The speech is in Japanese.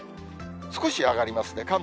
少し上がりますね。